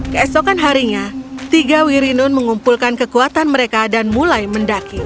keesokan harinya tiga wirinun mengumpulkan kekuatan mereka dan mulai mendaki